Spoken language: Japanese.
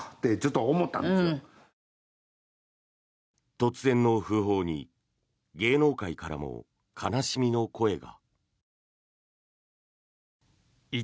突然の訃報に芸能界からも悲しみの声が。